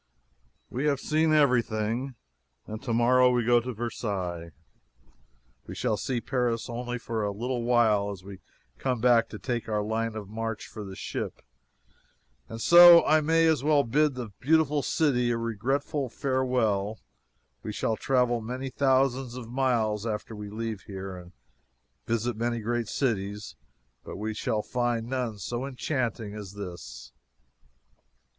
We have seen every thing, and tomorrow we go to Versailles. We shall see Paris only for a little while as we come back to take up our line of march for the ship, and so I may as well bid the beautiful city a regretful farewell. We shall travel many thousands of miles after we leave here and visit many great cities, but we shall find none so enchanting as this.